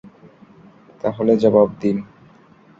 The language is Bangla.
তাহলে জবাব দিন।